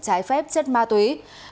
trái phép chất ma túy